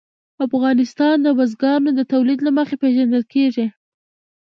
افغانستان د بزګانو د تولید له مخې پېژندل کېږي.